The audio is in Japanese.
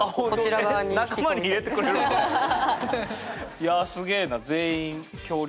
いやすげえな全員恐竜。